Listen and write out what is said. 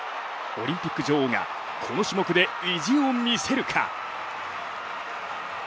オリンピック女王がこの種目で意地を見せるか。